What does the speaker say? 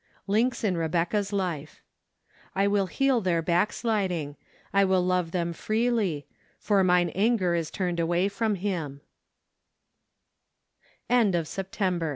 Links in Rebecca's Life. " I will heal their backsliding, I trill love them freely: for mine anger is turned away from h